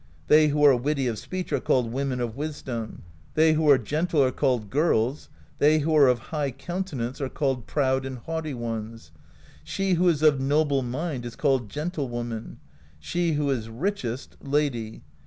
They who are witty of speech are called Women of Wisdom.^ They who are gentle are called Girls; they who are of high countenance are called Proud and Haughty Ones. She who is of noble mind is called Gentlewoman;^ she who is richest. Lady.